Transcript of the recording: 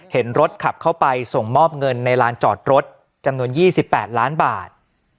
เห็นรถขับเข้าไปส่งมอบเงินในลานจอดรถจำนวน๒๘ล้านบาท